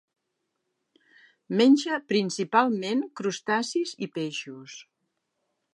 Menja principalment crustacis i peixos.